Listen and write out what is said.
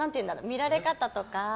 見られ方とか。